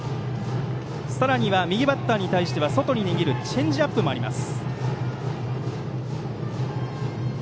さらには右バッターに対しては外に逃げるチェンジアップもあります。